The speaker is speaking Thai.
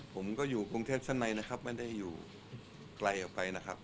ผมก็อยู่กรุงเทพชั้นในนะครับไม่ได้อยู่ไกลออกไปนะครับ